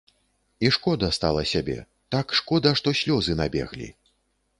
І шкода стала сябе, так шкода, што слёзы набеглі.